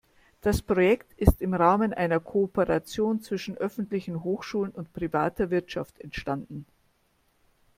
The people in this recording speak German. Das Projekt ist im Rahmen einer Kooperation zwischen öffentlichen Hochschulen und privater Wirtschaft entstanden.